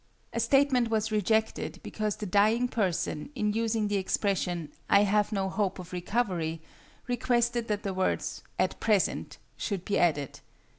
A statement was rejected because the dying person, in using the expression 'I have no hope of recovery,' requested that the words 'at present' should be added.